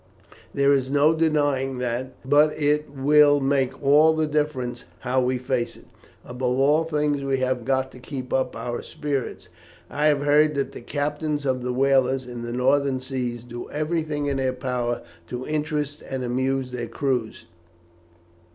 "There is no denying that; but it will make all the difference how we face it. Above all things we have got to keep up our spirits. I have heard that the captains of the whalers in the northern seas do everything in their power to interest and amuse their crews.